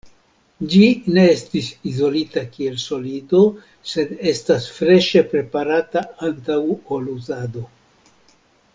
Ĝi ne estis izolita kiel solido, sed estas freŝe preparata antaŭ ol uzado.